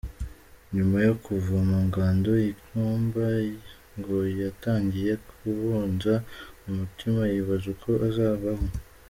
Nyuma yo kuva mu ngando i Nkumba, ngo yatangiye kubunza umutima yibaza uko azabaho.